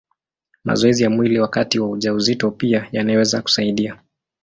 Mazoezi ya mwili wakati wa ujauzito pia yanaweza kusaidia.